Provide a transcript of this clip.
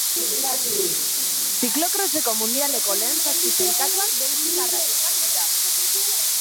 Ziklo-kroseko mundialeko lehen zazpi sailkatuak belgikarrak izan dira.